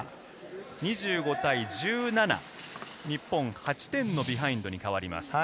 ２５対１７、日本、８点のビハインドに変わります。